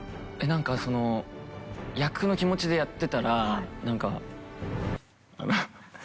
何か役の気持ちでやってたら何かあの。